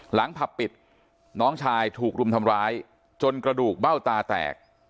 ผับปิดน้องชายถูกรุมทำร้ายจนกระดูกเบ้าตาแตก